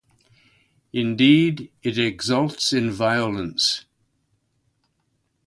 Indeed, it exults in violence.